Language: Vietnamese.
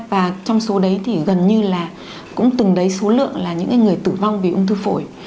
và trong số đấy thì gần như là cũng từng đấy số lượng là những người tử vong vì ung thư phổi